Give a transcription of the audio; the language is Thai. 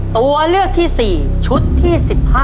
ตัวเลือกที่๔ชุดที่๑๕